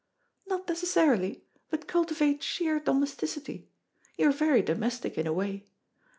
"Not necessarily; but cultivate sheer domesticity. You're very domestic in a way.